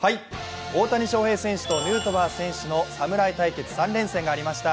大谷翔平選手とヌートバー選手の侍対決３連戦がありました。